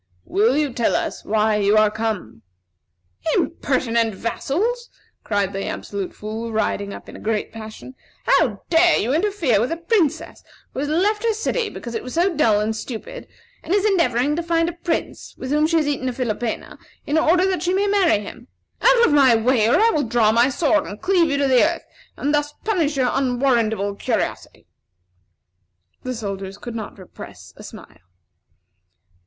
Will you tell us why you are come?" "Impertinent vassals!" cried the Absolute Fool, riding up in a great passion. "How dare you interfere with a princess who has left her city because it was so dull and stupid, and is endeavoring to find a prince, with whom she has eaten a philopena, in order that she may marry him. Out of my way, or I will draw my sword and cleave you to the earth, and thus punish your unwarrantable curiosity!" The soldiers could not repress a smile.